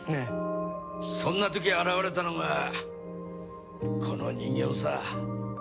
そんな時現れたのがこの人形さ。